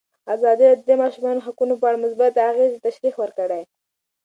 ازادي راډیو د د ماشومانو حقونه په اړه مثبت اغېزې تشریح کړي.